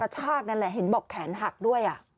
ใช่เห็นบอกแขนหักด้วย